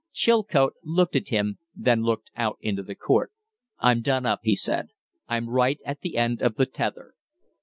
Chilcote looked at him, then looked out into the court. "I'm done up," he said. "I'm right at the end of the tether."